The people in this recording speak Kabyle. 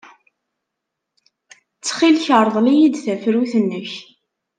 Ttxil-k, rḍel-iyi tafrut-nnek.